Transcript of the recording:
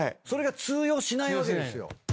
それが通用しないわけですよ。